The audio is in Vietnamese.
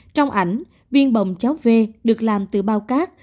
trong ảnh viên bồng cháo v được làm từ bao cát